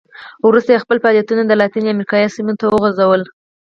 وروسته یې خپل فعالیتونه د لاتینې امریکا سیمو ته وغځول.